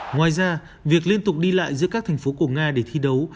ngoài ra việc liên tục đi lại giữa các thành phố của nga để thi đấu